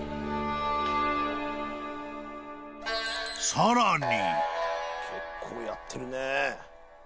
［さらに］